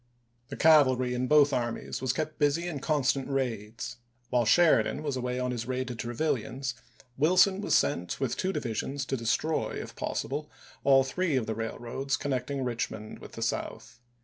The cavalry in both armies was kept busy in constant raids. While Sheridan was away on his raid to Trevilian's, Wilson was sent with two divi sions to destroy, if possible, all three of the rail roads connecting Richmond with the South.